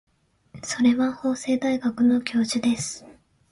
それは法政大学の教授です。